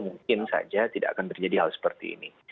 mungkin saja tidak akan terjadi hal seperti ini